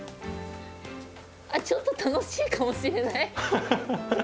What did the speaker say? ちょっと楽しいかもしれない。